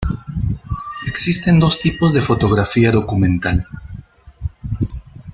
Existen dos tipos de fotografía documental.